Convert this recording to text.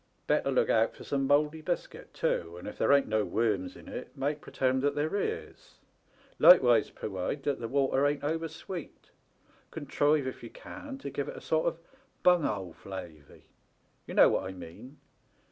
Better look out for some mouldy biscuit, too, and if there ain't no worms in it make pretend that there is. Likewise purwide that the water ain't over sweet ; contrive, if you can, to give it a sort '•THAT THESE LITTLE TOMMY." of bimghole flavey. Te know what I mean.